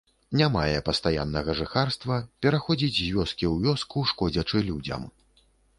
Не мае пастаяннага жыхарства, пераходзіць з вёскі ў вёску, шкодзячы людзям.